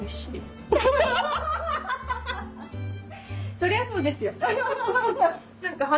そりゃそうですよ。